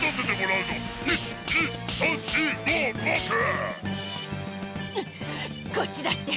うっこっちだって！